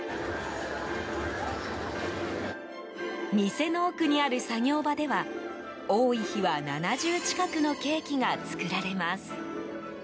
店の奥にある作業場では多い日は７０近くのケーキが作られます。